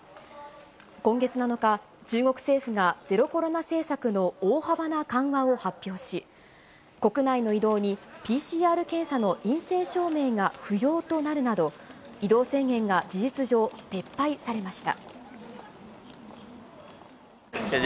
今月７日、中国政府がゼロコロナ政策の大幅な緩和を発表し、国内の移動にＰＣＲ検査の陰性証明が不要となるなど、移動制限が事実上、撤廃されました。